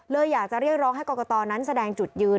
อยากจะเรียกร้องให้กรกตนั้นแสดงจุดยืน